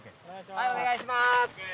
はいお願いします。